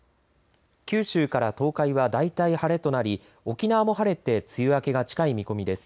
九州から東海は大体晴れとなり沖縄も晴れて梅雨明けが近い見込みです。